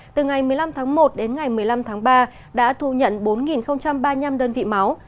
từ ngày một mươi năm tháng một đến ngày một mươi năm tháng ba đã thu nhận bốn ba mươi năm đơn vị máu